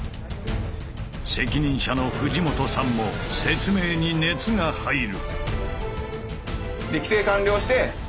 責任者の藤本さんも説明に熱が入る。